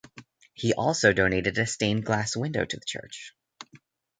He also donated a stained glass window to the church.